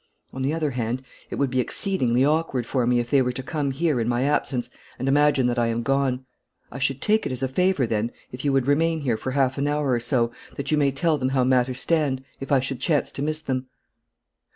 On the other hand, it would be exceedingly awkward for me if they were to come here in my absence and imagine that I am gone. I should take it as a favour, then, if you would remain here for half an hour or so, that you may tell them how matters stand if I should chance to miss them.'